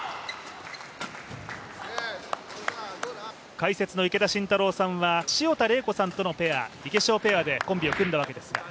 解説の池田信太郎さんは潮田玲子さんとのペアイケシオペアでコンビを組んだわけですが。